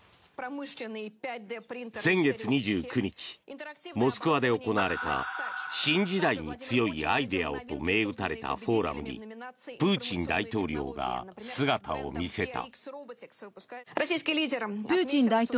先月２９日モスクワで行われた「新時代に強いアイデアを」と銘打たれたフォーラムにプーチン大統領が姿を見せた。